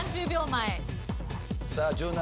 １０秒前。